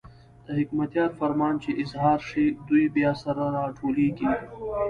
د حکمتیار فرمان چې اظهار شي، دوی بیا سره راټولېږي.